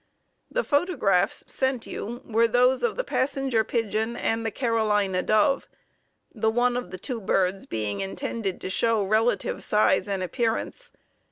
The photographs sent you were those of the Passenger Pigeon and the Carolina dove, the one of the two birds being intended to show relative size and appearance.